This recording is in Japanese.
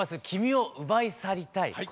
「君を奪い去りたい」。